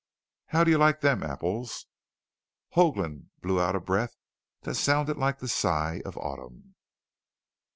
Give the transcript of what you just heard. How do you like them apples?" Hoagland blew out a breath that sounded like the sigh of Autumn.